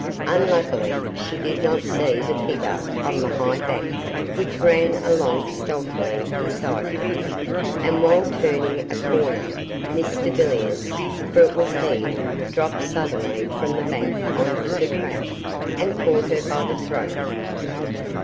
Unluckily she did not see the figure on the high bank which ran along stealthily beside her, and while turning a corner, Mr Villiers for it was he dropped suddenly from the bank on to the trap, and caught her by the throat.